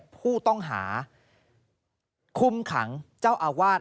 ผู้ต้องหาคุมขังเจ้าอาวาส